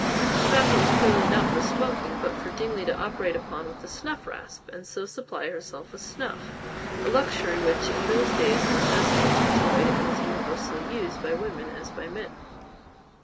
The tobacco was clearly not for smoking, but for Dingley to operate upon with the snuff rasp, and so supply herself with snuff a luxury, which in those days, was as much enjoyed and as universally used by women as by men.